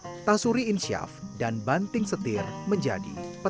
namun sejak dua ribu delapan tasuri insyaaf dan banting setir menghina kopi